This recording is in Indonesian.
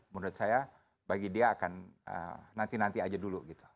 menurut saya bagi dia akan nanti nanti aja dulu gitu